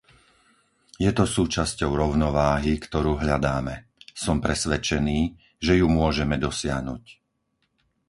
Je to súčasťou rovnováhy, ktorú hľadáme. Som presvedčený, že ju môžeme dosiahnuť.